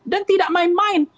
dan tidak main main